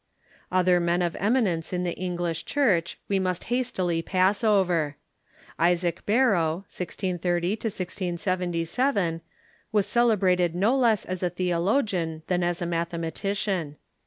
Other men of eminence in the English Church we must hastily pass over. Isaac Barrow (1630 16'77) was celebrated no less as a theologian than as a mathematician.